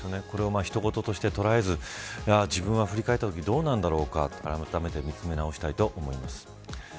これをひと事として捉えず自分は振り返ったときどうなんだろうかとあらためて見つめ直したいと思います。